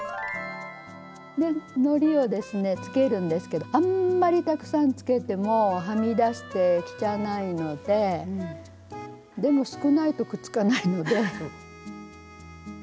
のりをですねつけるんですけどあんまりたくさんつけてもはみ出して汚いのででも少ないとくっつかないので。